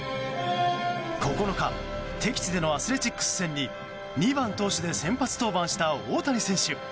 ９日敵地でのアスレチックス戦に２番投手で先発登板した大谷選手。